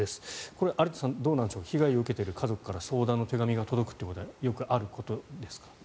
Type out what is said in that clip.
これは有田さん、どうなんでしょう被害を受けている家族から相談の手紙が届くというのはよくあることですか。